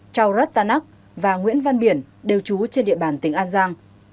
trao rất ta nắc và nguyễn văn biển đều trú trên địa bàn tỉnh an giang